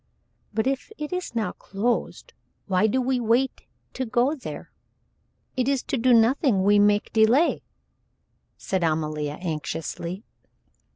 "But if it is now closed, why do we wait to go there? It is to do nothing we make delay," said Amalia, anxiously.